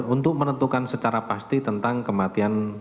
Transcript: untuk menentukan secara pasti tentang kematian